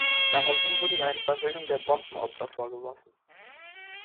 Daraufhin wurde ihr eine Verhöhnung der Bombenopfer vorgeworfen.